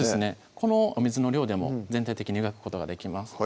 このお水の量でも全体的に湯がくことができます